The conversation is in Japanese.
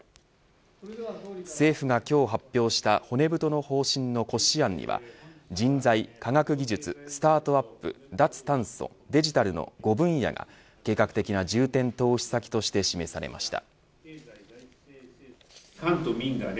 政府が今日発表した骨太の方針の骨子案には人材、科学技術、スタートアップ脱炭素、デジタルの５分野が計画的な重点投資先として示されました。